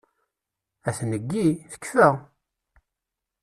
A tneggi! Tekfa!